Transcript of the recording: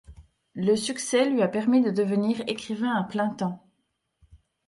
Le succès lui a permis de devenir écrivain à plein temps.